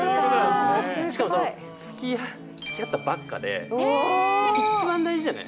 しかもその、つきあったばっかで、一番大事じゃない。